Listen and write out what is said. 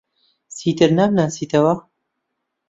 چیتر نامناسیتەوە؟